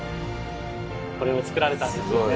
これを造られたんですね。